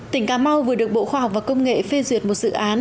tỉnh cà mau vừa được bộ khoa học và công nghệ phê duyệt một dự án